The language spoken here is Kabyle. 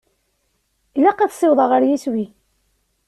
Ilaq ad ssiwḍeɣ ɣer yeswi.